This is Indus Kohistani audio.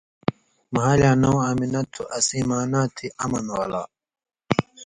مھالیاں نؤں آمنہ تُھو، اسیں معنیٰ تھی، 'امن والا'۔